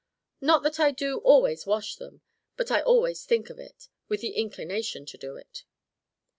Not that I do always wash them, but always I think of it with the inclination to do it.